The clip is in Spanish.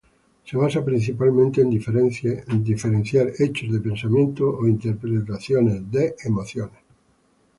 Se basa principalmente en diferenciar hechos de pensamientos o interpretaciones, y de emociones.